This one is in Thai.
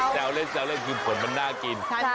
แจ้วเล่นคือผลมันน่ากิน